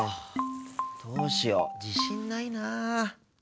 どうしよう自信ないな。